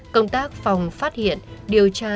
công tác phòng phát hiện điều tra